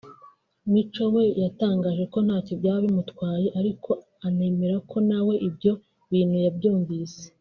Mico we yatangaje ko ntacyo byaba bimutwaye ariko anemera ko nawe ibyo bintu yabyumvise